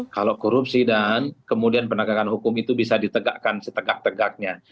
kalau korupsi dan kemudian penegakan hukum itu bisa ditegakkan setegak tegaknya